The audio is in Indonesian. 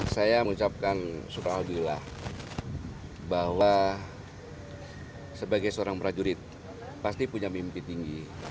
saya mengucapkan syurah albillah bahwa sebagai seorang prajurit pasti punya mimpi tinggi